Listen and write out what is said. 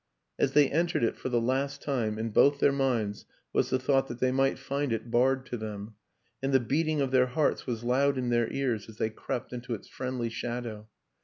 As they entered it for the last time, in both their minds was the thought that they might find it barred to them; and the beating of their hearts was loud in their ears as they crept into its friendly shadow.